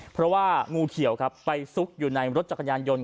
เพราะว่างูเขียวครับไปซุกอยู่ในรถจักรยานยนต